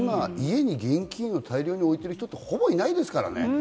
家に現金を大量に置いてる人ってほぼいないですからね。